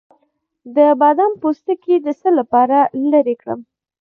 د بادام پوستکی د څه لپاره لرې کړم؟